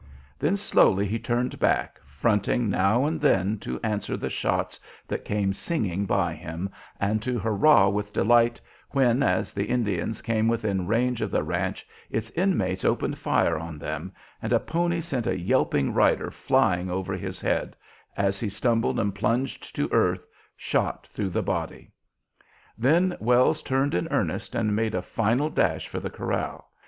Then slowly he turned back, fronting now and then to answer the shots that came singing by him, and to hurrah with delight when, as the Indians came within range of the ranch, its inmates opened fire on them, and a pony sent a yelping rider flying over his head, as he stumbled and plunged to earth, shot through the body. Then Wells turned in earnest and made a final dash for the corral.